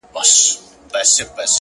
او د مشوري خو سوال هم نه پیدا کېږي